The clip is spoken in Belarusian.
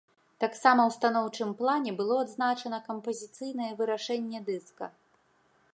Таксама ў станоўчым плане было адзначана кампазіцыйнае вырашэнне дыска.